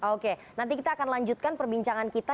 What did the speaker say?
oke nanti kita akan lanjutkan perbincangan kita